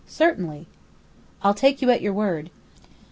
"Certainly." "I'll take you at your word!...